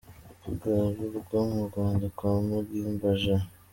Kugarurwa mu Rwanda kwa Mugimba J.